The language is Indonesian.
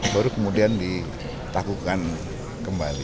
baru kemudian ditakutkan kembali